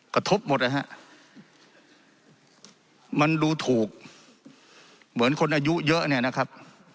กระทบหมดนะฮะมันดูถูกเหมือนคนอายุเยอะเนี่ยนะครับ